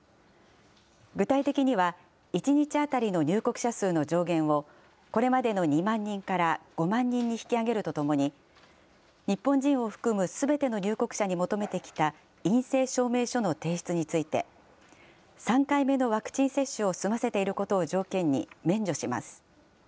具体的には、１日当たりの入国者数の上限を、これまでの２万人から５万人に引き上げるとともに、日本人を含むすべての入国者に求めてきた陰性証明書の提出について、３回目のワクチン接種を済ませていることを条件に免除します。